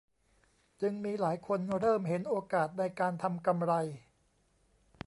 จึงมีหลายคนเริ่มเห็นโอกาสในการทำกำไร